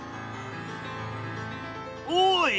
「おい！